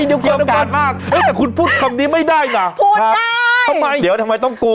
เดี๋ยวก่อนคุณพูดคำนี้ไม่ได้นะพูดได้ทำไมเดี๋ยวทำไมต้องกู